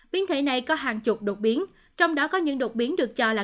biến thể này có hàng chục đột biến trong đó có những đột biến được cho là